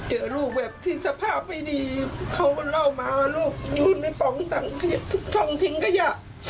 เห็นลูกแบบที่สภาพไม่ดีเขาเล่ามาลูกอยู่ในปองตังค์ท้องทิ้งกระยะ